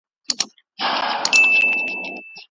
ایا کورني سوداګر جلغوزي پلوري؟